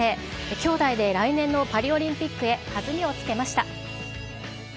きょうだいで来年のパリオリンピックへ、弾みをつけました。